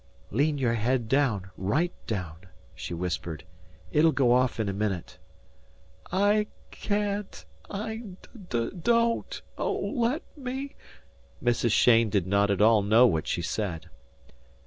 "Lean your head daown right daown!" he whispered. "It'll go off in a minute." "I ca an't! I do don't! Oh, let me " Mrs. Cheyne did not at all know what she said.